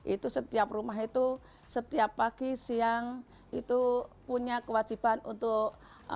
itu setiap rumah itu setiap pagi siang itu punya kewajiban untuk